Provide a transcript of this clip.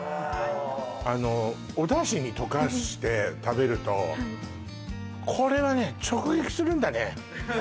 あああのおだしにとかして食べるとこれはね直撃するんだね